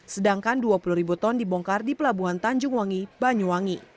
sedangkan dua puluh ribu ton dibongkar di pelabuhan tanjung wangi banyuwangi